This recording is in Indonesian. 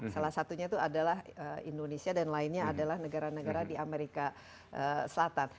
salah satunya itu adalah indonesia dan lainnya adalah negara negara di amerika selatan